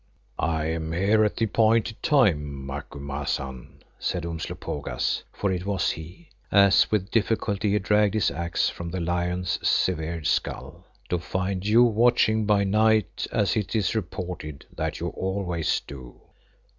"I am here at the appointed time, Macumazahn," said Umslopogaas, for it was he, as with difficulty he dragged his axe from the lion's severed skull, "to find you watching by night as it is reported that you always do."